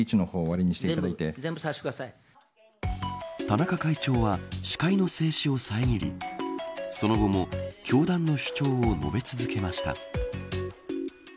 田中会長は司会の静止をさえぎりその後も、教団の主張を述べ続けました。